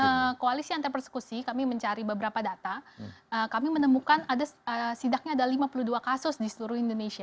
dalam koalisi antar persekusi kami mencari beberapa data kami menemukan ada sidaknya ada lima puluh dua kasus di seluruh indonesia